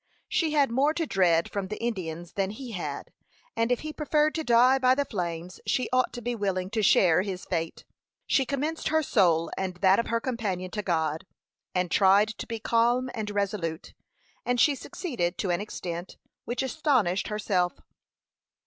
She had more to dread from the Indians than he had, and if he preferred to die by the flames, she ought to be willing to share his fate. She commended her soul and that of her companion to God, and tried to be calm and resolute, and she succeeded to an extent which astonished herself.